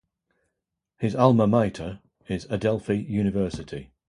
His alma mater is Adelphi University.